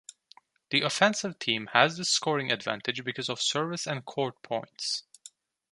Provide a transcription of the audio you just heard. The offensive team has the scoring advantage because of service and court points.